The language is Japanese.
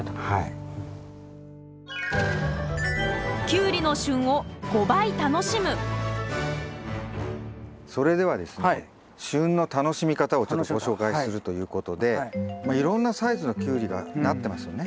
キュウリのそれではですね旬の楽しみ方をちょっとご紹介するということでまあいろんなサイズのキュウリがなってますよね。